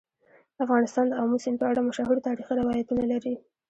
افغانستان د آمو سیند په اړه مشهور تاریخی روایتونه لري.